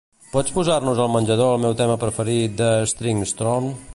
Pots posar-nos al menjador el meu tema preferit de Stringstorm?